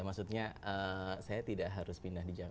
maksudnya saya tidak harus pindah di jakarta